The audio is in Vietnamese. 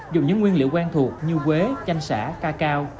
dùng những nguyên liệu quen thuộc như quế chanh xã cacao